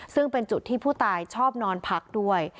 ซึ่งเป็นจุดที่ผู้ตายชอบนอนพักด้วย